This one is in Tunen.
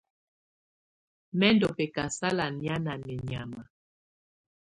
Mɛ̀ ndù bɛ̀kasala nɛ̀á ná mɛnyàma.